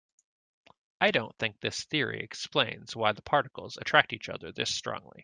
I don't think this theory explains why the particles attract each other this strongly.